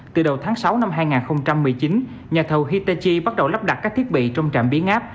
từ đầu tháng sáu năm hai nghìn một mươi chín nhà thầu hittechi bắt đầu lắp đặt các thiết bị trong trạm biến áp